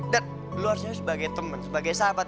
dan lu harusnya sebagai temen sebagai sahabat